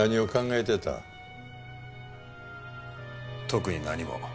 特に何も。